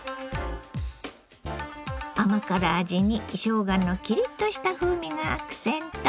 甘辛味にしょうがのキリッとした風味がアクセント。